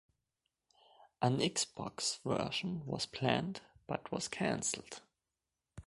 An Xbox version was planned, but was cancelled.